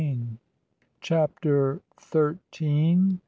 CHAPTER THIRTEEN.